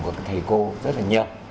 và các thầy cô rất là nhiều